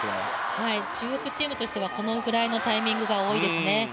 中国チームとしては、これくらいのタイミングが多いですね。